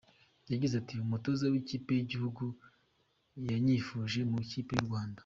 Yagize ati “Umutoza w’ikipe y’igihugu yanyifuje mu ikipe y’u Rwanda.